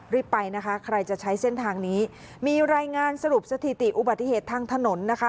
รีบไปนะคะใครจะใช้เส้นทางนี้มีรายงานสรุปสถิติอุบัติเหตุทางถนนนะคะ